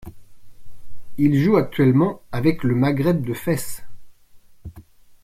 Il joue actuellement avec le Maghreb de Fès.